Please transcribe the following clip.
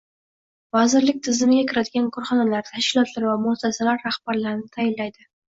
Vazirlik tizimiga kiradigan korxonalar, tashkilotlar va muassasalar rahbarlarini tayinlaydi.